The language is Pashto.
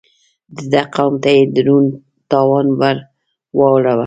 د ده قوم ته يې دروند تاوان ور واړاوه.